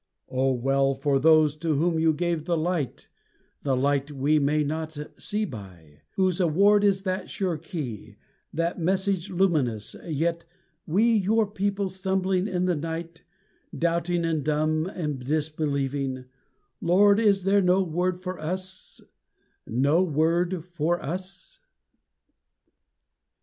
Oh, well for those to whom You gave the light (The light we may not see by) whose award Is that sure key that message luminous, Yet we, your people stumbling in the night, Doubting and dumb and disbelieving Lord, Is there no word for us no word for us?